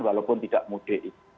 walaupun tidak mudik